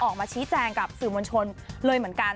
ออกมาชี้แจงกับสื่อมวลชนเลยเหมือนกัน